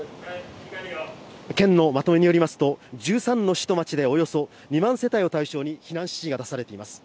県のまとめによりますと、１３の市と町でおよそ２万世帯を対象に避難指示が出されています。